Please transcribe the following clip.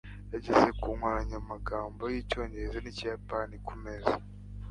yageze ku nkoranyamagambo y'icyongereza n'ikiyapani ku meza